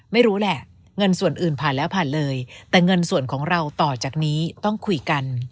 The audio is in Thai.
ไม่รู้แหละเงินส่วนอื่นผ่านแล้วผ่านเลยแต่เงินส่วนของเราต่อจากนี้ต้องคุยกัน